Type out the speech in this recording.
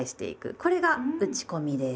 これが打ち込みです。